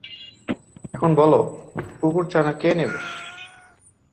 এখন বলো, কুকুরছানা কে নেবে?